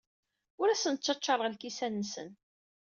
Ur asen-ttacaṛeɣ lkisan-nsen.